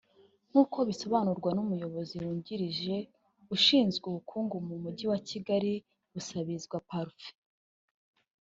nk’uko bisobanurwa n’Umuyobozi wungirije ushinzwe ubukungu mu Mujyi wa Kigali Busabizwa Parfait